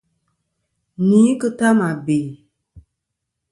Ni têyn ki ta mà bè.